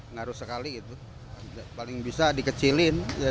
ngaruh sekali gitu paling bisa dikecilin